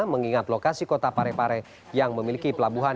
mengingat lokasi kota parepare yang memiliki pelabuhan